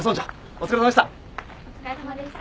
お疲れさまでした。